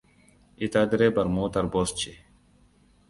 Ita direbar motar bus ce.